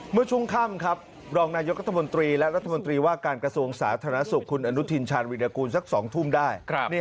เมื่อช่วงค่ำครับรองนายกรัฐมนตรีและรัฐมนตรีว่าการกระทรวงสาธารณสุขคุณอนุทินชาญวิรากูลสัก๒ทุ่มได้